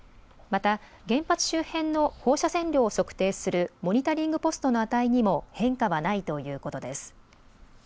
また原発周辺の放射線量を測定するモニタリングポストの値にも変化はないということです。